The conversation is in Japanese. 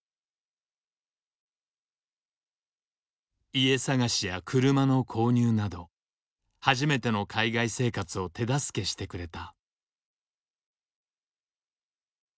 家探しや車の購入など初めての海外生活を手助けしてくれた。